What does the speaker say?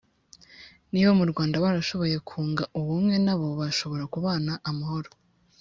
niba mu rwanda barashoboye kunga ubumwe nabo bashobora kubana amahoro,